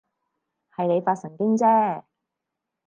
係你發神經啫